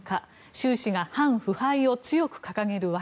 習氏が反腐敗を強く掲げる訳。